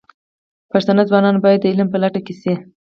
پښتانه ځوانان باید د علم په لټه کې شي.